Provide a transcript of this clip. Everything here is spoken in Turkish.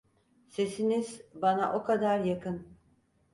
Sesiniz, bana o kadar yakın…